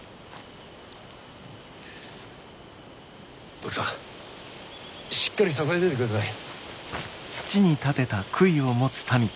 奥さんしっかり支えててください。